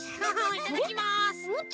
いただきます！